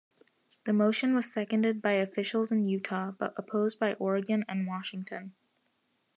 The motion was seconded by officials in Utah, but opposed by Oregon and Washington.